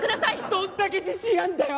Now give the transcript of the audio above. どんだけ自信あるんだよ？